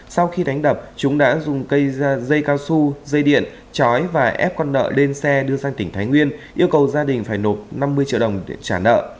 sau khi đánh đập chúng đã dùng cây dây cao su dây điện chói và ép con nợ lên xe đưa sang tỉnh thái nguyên yêu cầu gia đình phải nộp năm mươi triệu đồng để trả nợ